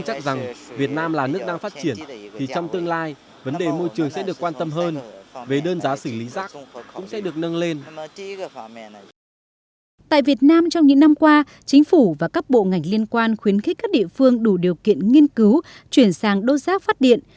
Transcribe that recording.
tại việt nam trong những năm qua chính phủ và các bộ ngành liên quan khuyến khích các địa phương đủ điều kiện nghiên cứu chuyển sang đốt rác phát điện